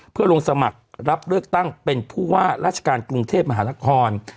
เพื่อลงสมัครรับเลือกตั้งเป็นผู้ว่าราชการกรุงเทพมหานคร